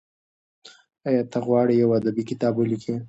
ایا ته غواړې یو ادبي کتاب ولیکې؟